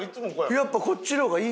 やっぱこっちの方がいい。